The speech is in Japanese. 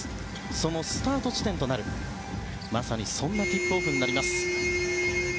そのスタート地点となる、まさにそんなティップオフになります。